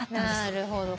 なるほど。